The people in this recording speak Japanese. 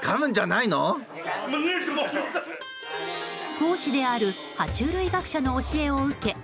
講師である爬虫類学者の教えを受け